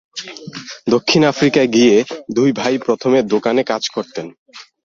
দক্ষিণ আফ্রিকায় গিয়ে দুই ভাই প্রথমে দোকানে কাজ করতেন।